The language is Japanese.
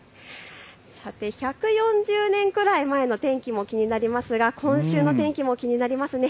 さて、１４０年くらい前の天気も気になりますが今週の天気も気になりますね。